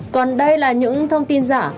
còn đây là những thông tin giả